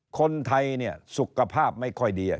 คนไทยเนี่ยสุขภาพไม่ค่อยดี